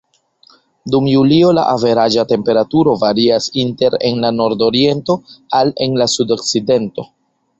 Dum julio, la averaĝa temperaturo varias inter en la nordoriento al en la sudokcidento.